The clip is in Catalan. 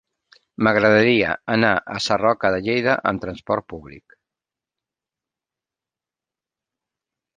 M'agradaria anar a Sarroca de Lleida amb trasport públic.